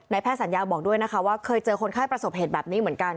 แพทย์สัญญาบอกด้วยนะคะว่าเคยเจอคนไข้ประสบเหตุแบบนี้เหมือนกัน